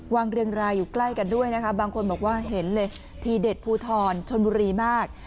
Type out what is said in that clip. เรียงรายอยู่ใกล้กันด้วยนะคะบางคนบอกว่าเห็นเลยทีเด็ดภูทรชนบุรีมาก